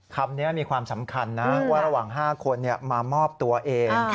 คำนี้มีความสำคัญนะว่าระหว่าง๕คนมามอบตัวเอง